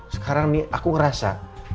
sekarang nih aku ngerasa